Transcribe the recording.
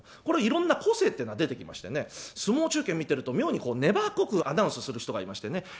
これいろんな個性っていうのが出てきましてね相撲中継見てると妙に粘っこくアナウンスする人がいましてね。